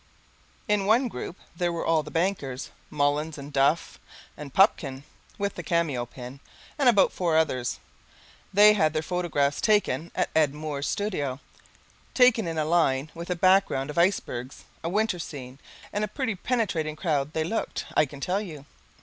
In one group there were all the bankers, Mullins and Duff and Pupkin (with the cameo pin), and about four others. They had their photographs taken at Ed Moore's studio, taken in a line with a background of icebergs a winter scene and a pretty penetrating crowd they looked, I can tell you.